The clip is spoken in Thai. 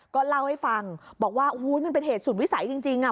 ก็เล่าให้ฟังบอกว่ามันเป็นเหตุสุดวิสัยจริง